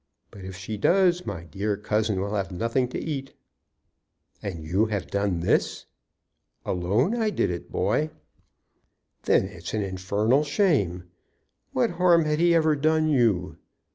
But if she does my dear cousin will have nothing to eat." "And you have done this?" "'Alone I did it, boy.'" "Then it's an infernal shame. What harm had he ever done you?